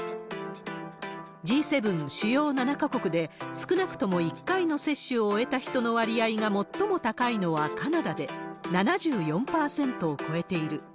Ｇ７・主要７か国で少なくとも１回の接種を終えた人の割合が最も高いのはカナダで、７４％を超えている。